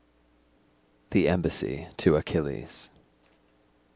The Embassy to Achilles.